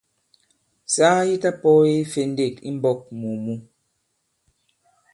Saa yi ta-pɔ̄ɔye ifendêk i mbɔ̄k mù mǔ.